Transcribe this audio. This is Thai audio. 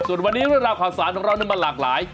ส่วนวันนี้เรื่องราวข่าวสารของเรามันหลากหลาย